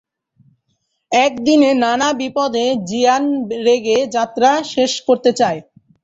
একদিনে নানা বিপদে জিয়ান রেগে যাত্রা শেষ করতে চায়।